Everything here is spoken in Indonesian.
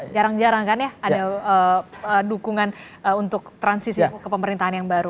jarang jarang kan ya ada dukungan untuk transisi ke pemerintahan yang baru